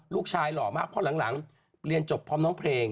ลูกชายหล่อมากพอหลังเรียนจบพร้อมน้องเพลง